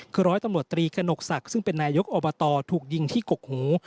คือร้อยตำรวจตรีกระหนกศักดิ์ซึ่งเป็นนายกอบตถูกยิงที่กกหู